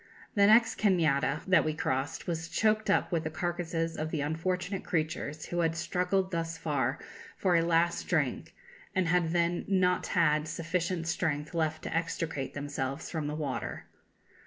The next cañada that we crossed was choked up with the carcasses of the unfortunate creatures who had struggled thus far for a last drink, and had then not had sufficient strength left to extricate themselves from the water.